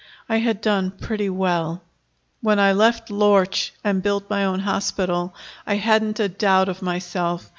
I had done pretty well. When I left Lorch and built my own hospital, I hadn't a doubt of myself.